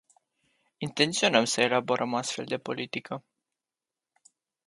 Intenționăm să elaborăm o astfel de politică.